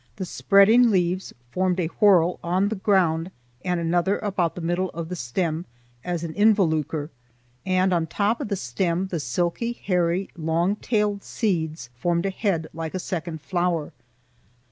The spreading leaves formed a whorl on the ground, and another about the middle of the stem as an involucre, and on the top of the stem the silky, hairy long tailed seeds formed a head like a second flower.